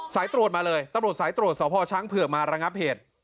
สายตรวจมาเลยตำรวจสายตรวจสพช้างเผือกมาระงับเหตุ